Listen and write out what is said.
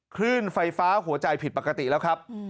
คลื่นไฟฟ้าหัวใจผิดปกติแล้วครับ